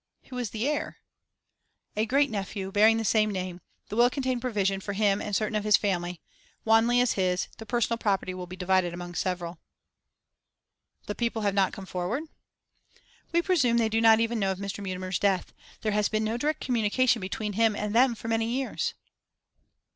'Who is the heir?' 'A great nephew bearing the same name. The will contained provision for him and certain of his family. Wanley is his; the personal property will be divided among several.' 'The people have not come forward?' 'We presume they do not even know of Mr. Mutimer's death. There has been no direct communication between him and them for many years.